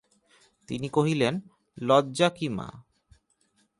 তিনি কহিলেন, লজ্জা কী মা।